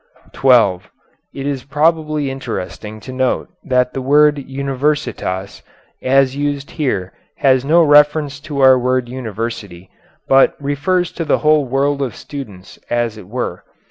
"] [Footnote 12: It is probably interesting to note that the word universitas as used here has no reference to our word university, but refers to the whole world of students as it were.